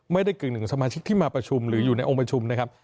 กึ่งหนึ่งสมาชิกที่มาประชุมหรืออยู่ในองค์ประชุมนะครับ